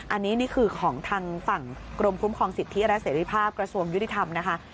อันนี้นี่คือของทางฝั่งกรมคุ้มครองสิทธิและเสรีภาพกระทรวงยุติธรรมนะคะ